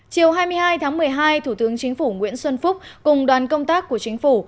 chiều hai mươi hai tháng một mươi hai thủ tướng chính phủ nguyễn xuân phúc cùng đoàn công tác của chính phủ